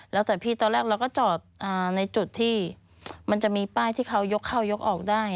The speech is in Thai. แล้วแต่พี่ตอนแรกเราก็จอดในจุดที่มันจะมีป้ายที่เขายกเข้ายกออกได้